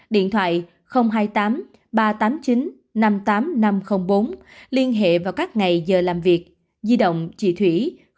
điện thoại hai mươi tám ba trăm tám mươi chín năm mươi tám nghìn năm trăm linh bốn liên hệ vào các ngày giờ làm việc di động chỉ thủy chín trăm tám mươi ba hai trăm một mươi năm hai trăm bảy mươi tám